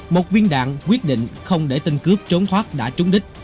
một viên đạn quyết định không để tên cướp trốn thoát đã trúng đích